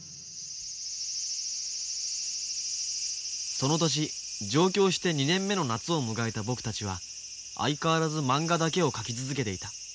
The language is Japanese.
その年上京して２年目の夏を迎えた僕たちは相変わらずまんがだけを描き続けていた。